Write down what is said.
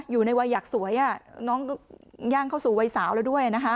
อยู่ในวัยอยากสวยน้องก็ย่างเข้าสู่วัยสาวแล้วด้วยนะคะ